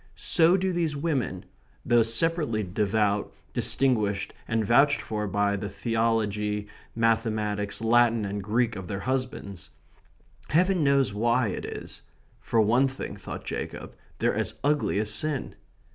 So do these women though separately devout, distinguished, and vouched for by the theology, mathematics, Latin, and Greek of their husbands. Heaven knows why it is. For one thing, thought Jacob, they're as ugly as sin.